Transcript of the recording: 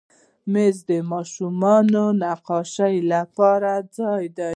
مېز د ماشومانو نقاشۍ لپاره ځای دی.